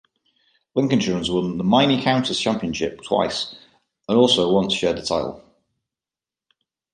Lincolnshire has won the Minor Counties Championship twice, and also once shared the title.